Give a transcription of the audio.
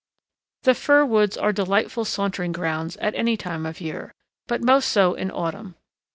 The fir woods are delightful sauntering grounds at any time of year, but most so in autumn.